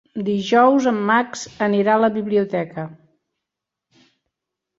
Dijous en Max anirà a la biblioteca.